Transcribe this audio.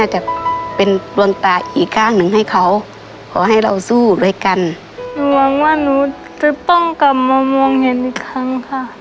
หวังว่าหนูจะต้องกลับมามองเห็นอีกครั้งค่ะ